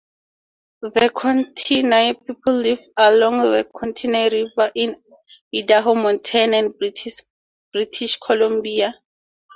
The Kootenai people lived along the Kootenai River in Idaho, Montana, and British Columbia.